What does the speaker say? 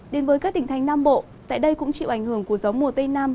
đến với các tỉnh thành nam bộ tại đây cũng chịu ảnh hưởng của gió mùa tây nam